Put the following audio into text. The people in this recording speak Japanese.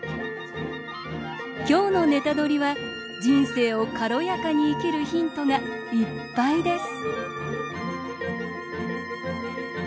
今日の「ネタドリ！」は人生を軽やかに生きるヒントがいっぱいです。